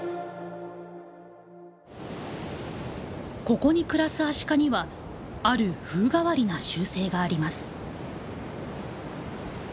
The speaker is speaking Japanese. ここに暮らすアシカにはある風変わりな習性があります。